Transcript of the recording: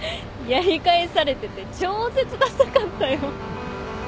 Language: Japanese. やり返されてて超絶ださかったよ。